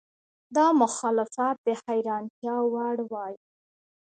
دا مخالفت د حیرانتیا وړ وای.